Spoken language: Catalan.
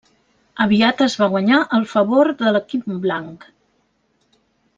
Aviat es va guanyar el favor de l'equip blanc.